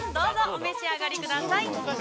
お召し上がりください。